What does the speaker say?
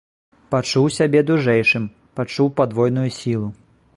Пачуў сябе дужэйшым, пачуў падвойную сілу.